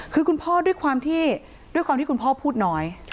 คือคุณพ่อด้วยความที่คุณพ่อพูดน้อย